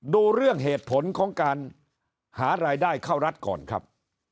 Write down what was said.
ดูเรื่องเหตุผลของการหารายได้เข้ารัฐก่อนครับ